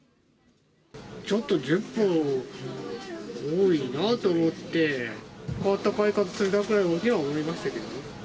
ちょっと１０本は多いなと思って、変わった買い方するなぐらいには思いましたけどね。